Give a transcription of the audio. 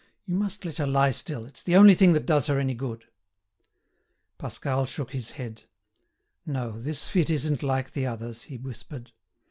You must let her lie still; it's the only thing that does her any good." Pascal shook his head. "No, this fit isn't like the others," he whispered.